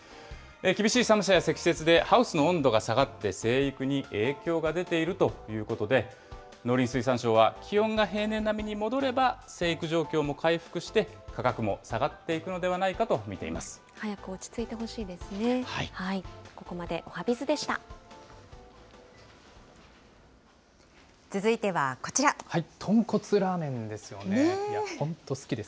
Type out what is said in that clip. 厳しい寒さや積雪で、ハウスの温度が下がって、生育に影響が出ているということで、農林水産省は、気温が平年並みに戻れば生育状況も回復して、価格も下がっていくのではないかと見ています。